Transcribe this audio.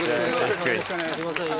よろしくお願いします。